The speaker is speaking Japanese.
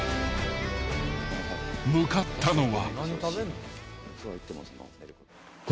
［向かったのは］